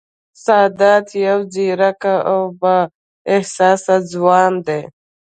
سادات یو ځېرک او با احساسه ځوان دی